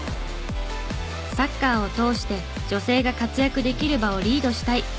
サッカーを通して女性が活躍できる場をリードしたい。